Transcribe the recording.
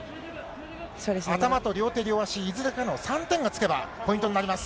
頭と両手両足、いずれかの３点がつけばポイントになります。